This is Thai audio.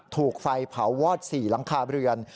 ถูกไฟเผาวอด๔หลังคาเรือน